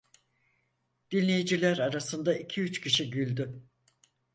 Dinleyiciler arasında iki üç kişi güldü.